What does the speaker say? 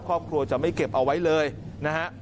ครอบครัวจะไม่เก็บเอาไว้เลยนะฮะ